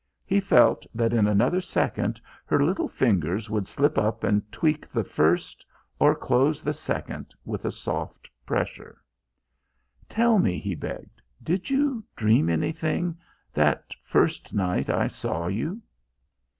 He felt that in another second her little fingers would slip up and tweak the first, or close the second with a soft pressure "Tell me," he begged: "did you dream anything that first night I saw you?"